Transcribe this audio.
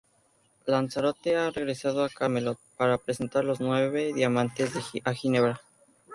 Lanzarote ha regresado a Camelot para presentar los nueve diamantes a Ginebra.